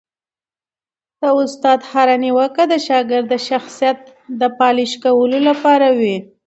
د استاد هره نیوکه د شاګرد د شخصیت د پالش کولو لپاره وي.